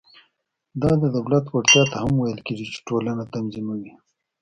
دا د دولت وړتیا ته هم ویل کېږي چې ټولنه تنظیموي.